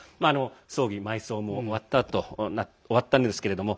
葬儀、埋葬も終わったんですけれども